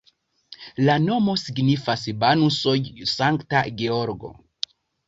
La nomo signifas Banusoj-Sankta Georgo.